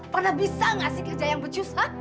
pernah bisa gak sih kerja yang becus